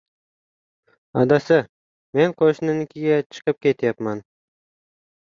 Adasi, men qoʻshninikiga chiqib ketyapman.